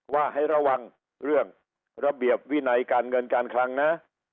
ว่าให้ระวังเรื่องระเบียบวินัยการเงินการคลังนะ